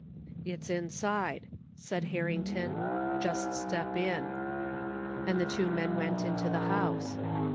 " "It's inside," said Harrington. "Just step in." iAnd the two men went Into the house.